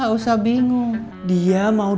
iya kak mau lo sampe rasanya di mikrofon